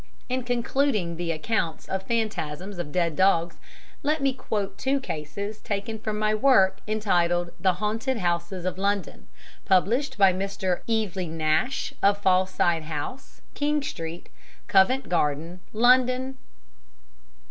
'" In concluding the accounts of phantasms of dead dogs, let me quote two cases taken from my work entitled The Haunted Houses of London, published by Mr. Eveleigh Nash, of Fawside House, King Street, Covent Garden, London, W.C.